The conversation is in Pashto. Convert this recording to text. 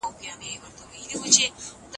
غیبت مه کوئ.